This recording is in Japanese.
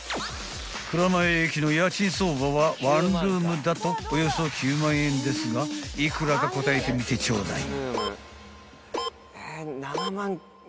［蔵前駅の家賃相場は１ルームだとおよそ９万円ですが幾らか答えてみてちょうだい］